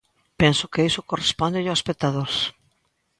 Penso que iso correspóndelle ao espectador.